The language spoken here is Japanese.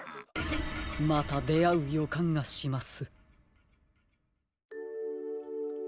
またであうよかんがします。